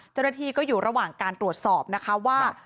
เจ้าหน้าที่ก็อยู่ระหว่างการตรวจสอบนะคะว่า